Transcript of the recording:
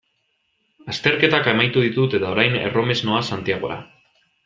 Azterketak amaitu ditut eta orain erromes noa Santiagora.